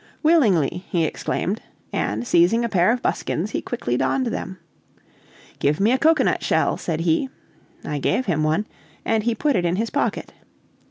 "Willingly," he exclaimed, and seizing a pair of buskins, he quickly donned them. "Give me a cocoanut shell," said he. I gave him one, and he put it in his pocket.